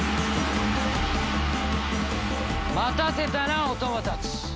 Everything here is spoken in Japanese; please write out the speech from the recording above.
待たせたなお供たち。